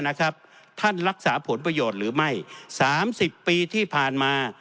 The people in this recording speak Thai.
นะครับท่านรักษาผลประโยชน์หรือไม่สามสิบปีที่ผ่านมา